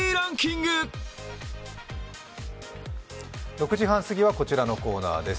６時半すぎはこちらのコーナーです。